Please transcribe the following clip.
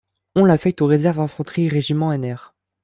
On l'affecte au Reserve-Infanterie-Regiment Nr.